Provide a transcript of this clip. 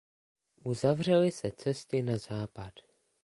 Uzavřely se cesty na západ.